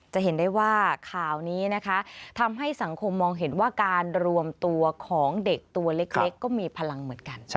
จะเห็นได้ว่าข่าวนี้นะคะทำให้สังคมมองเห็นว่าการรวมตัวของเด็กตัวเล็กก็มีพลังเหมือนกัน